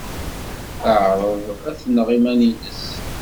Teɛreḍ ad tneɣ iman-nnes.